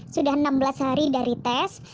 sudah enam belas hari dari tes